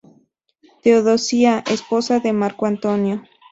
Teodosia: Esposa de Marco Antonio.